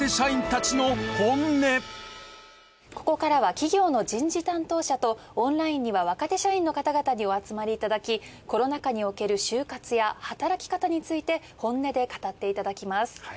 ここからは企業の人事担当者とオンラインには若手社員の方々にお集まりいただきコロナ禍における就活や働き方について本音で語っていただきます。